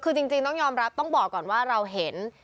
คือจริงต้องยอมรับต้องบอกก่อนว่าเราเห็น